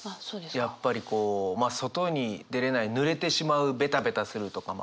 やっぱりこうまあ外に出れないぬれてしまうベタベタするとかもあるんですけど。